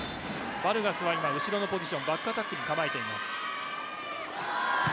バルガスは今、後ろのポジションバックアタックに構えています。